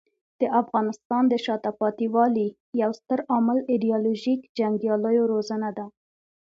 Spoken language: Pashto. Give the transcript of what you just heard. د افغانستان د شاته پاتې والي یو ستر عامل ایډیالوژیک جنګیالیو روزنه ده.